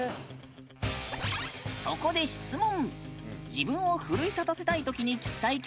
そこで質問！